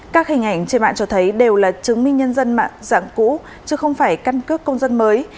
các hình ảnh trên mạng cho thấy đều là chứng minh nhân dân mạng dạng cũ chứ không phải căn cước công dân mới